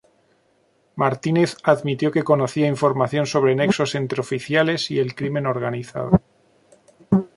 Martínez admitió que conocía información sobre nexos entre oficiales y el crimen organizado.